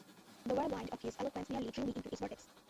The whirlwind of his eloquence nearly drew me into its vortex.